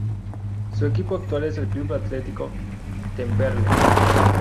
Su equipo actual es el Club Atletico Temperley.